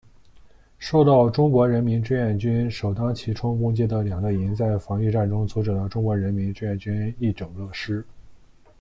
受到中国人民志愿军首当其冲攻击的两个营在防御战中阻止了中国人民志愿军一整个师。